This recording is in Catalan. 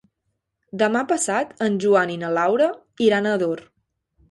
Demà passat en Joan i na Laura iran a Ador.